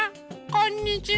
こんにちは。